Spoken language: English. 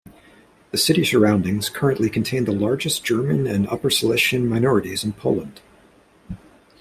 The city surroundings currently contain the largest German and Upper Silesian minorities in Poland.